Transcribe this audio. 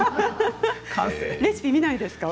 レシピは見ないですか。